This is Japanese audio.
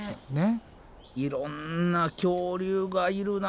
いろんな恐竜がいるな。